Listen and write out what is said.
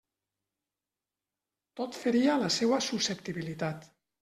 Tot feria la seua susceptibilitat.